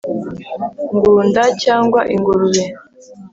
Ngunda cyangwa ingurube